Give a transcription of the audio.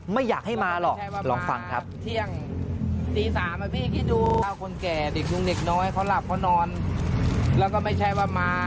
ไม่อยากให้มาหรอกลองฟังครับ